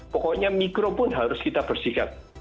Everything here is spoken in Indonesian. pokoknya mikro pun harus kita bersihkan